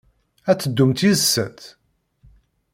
Ad teddumt yid-sent?